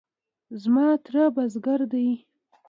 زما تره بزگر دی.